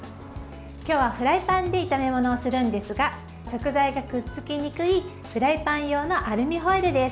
今日はフライパンで炒め物をするんですが食材がくっつきにくいフライパン用のアルミホイルです。